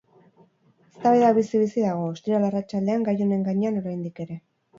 Eztabaida bizi-bizi dago, ostiral arratsaldean, gai honen gainean, oraindik ere.